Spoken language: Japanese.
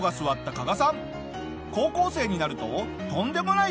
加賀さん